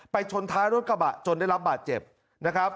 ไปชนท้ายรถกระบะจนได้รับบาดเจ็บ